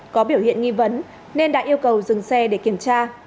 có biểu hiện nghi vấn nên đã yêu cầu dừng xe để kiểm tra